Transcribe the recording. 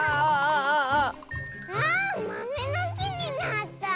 あまめの「き」になった。